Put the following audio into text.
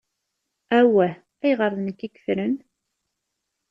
Awah! Ayɣer d nekk i yefren?